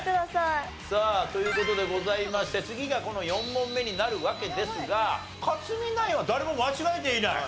さあという事でございまして次がこの４問目になるわけですが克実ナインは誰も間違えていない。